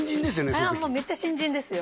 その時あれはもうめっちゃ新人ですよ